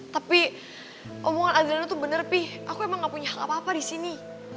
tapi omongan adriana tuh bener pip aku emang gak punya hak apa apa di sini